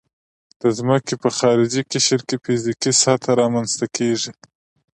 د ځمکې په خارجي قشر کې فزیکي سطحه رامنځته کیږي